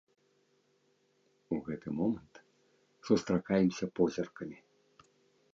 У гэты момант сустракаемся позіркамі.